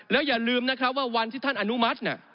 แล้วอย่าลืมนะครับว่าวันที่ท่านอนุมัติ